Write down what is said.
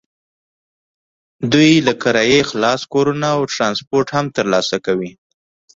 دوی له کرایې خلاص کورونه او ټرانسپورټ هم ترلاسه کوي.